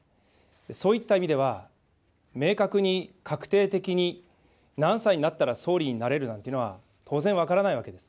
そういった意味では、明確に確定的に何歳になったら総理になれるなんていうのは、当然分からないわけです。